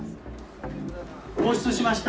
放出しました。